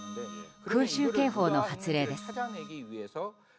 空襲警報の発令です。